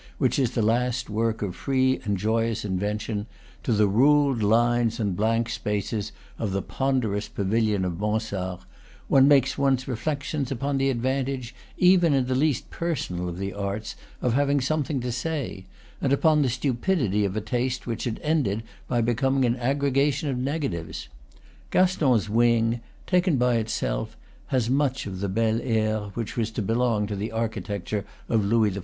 which is the last work of free and joyous invention to the ruled lines and blank spaces of the ponderous pavilion of Mansard, one makes one's reflections upon the advantage, in even the least personaI of the arts, of having something to say, and upon the stupidity of a taste which had ended by becoming an aggregation of negatives. Gaston's wing, taken by itself, has much of the bel air which was to belong to the architecture of Louis XIV.